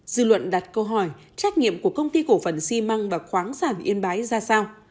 dư luận đặt câu hỏi trách nhiệm của công ty cổ phần xi măng và khoáng sản yên bái ra sao